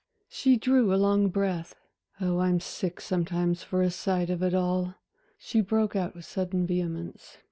She drew a long breath. "Oh, I am sick sometimes for a sight of it all," she broke out with sudden vehemence.